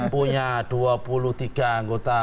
punya dua puluh tiga anggota